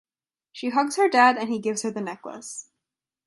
She hugs her dad and he gives her the necklace.